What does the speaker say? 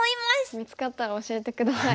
見つかったら教えて下さい。